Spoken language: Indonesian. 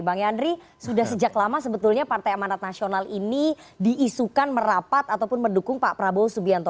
bang yandri sudah sejak lama sebetulnya partai amanat nasional ini diisukan merapat ataupun mendukung pak prabowo subianto